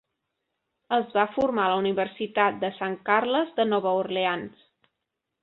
Es va formar a la Universitat de Sant Carles de Nova Orleans.